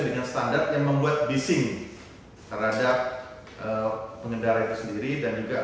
dengan standar yang membuat bising terhadap pengendara itu sendiri dan juga